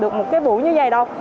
được một cái buổi như vậy đâu